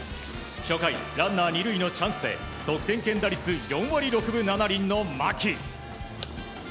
初回ランナー２塁のチャンスで得点圏打率４割６分７厘の牧。